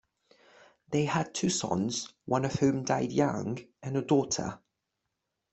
They had two sons, one of whom died young, and a daughter.